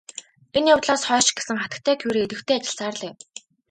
Энэ явдлаас хойш ч гэсэн хатагтай Кюре идэвхтэй ажилласаар л байв.